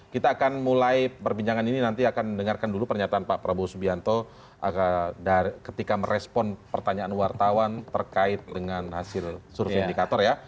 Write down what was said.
kita akan mulai perbincangan ini nanti akan mendengarkan dulu pernyataan pak prabowo subianto ketika merespon pertanyaan wartawan terkait dengan hasil survei indikator ya